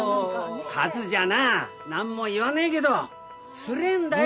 勝二はな何も言わねえけどつれえんだよ！